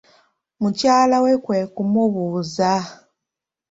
Mukyala we kwe kumubuuza.